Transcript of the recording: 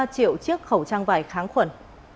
ba triệu chiếc khẩu trang vải kháng khuẩn